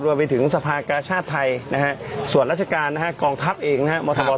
รวมไปถึงสภาคชาติไทยนะครับส่วนราชการนะครับกองทัพเองนะครับ